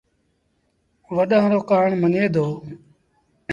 وڏآݩ رو ڪهآڻ مڃي دو